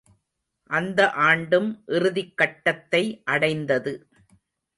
அந்த ஆண்டும் இறுதிக் கட்டத்தை அடைந்தது.